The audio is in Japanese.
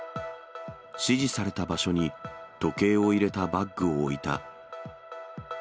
指示された場所に時計を入れたバッグを置いた。